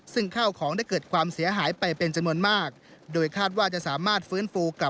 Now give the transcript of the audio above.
ซึ่งข้าวของได้เกิดความเสียหายไปเป็นจำนวนมาก